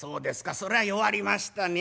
それは弱りましたね。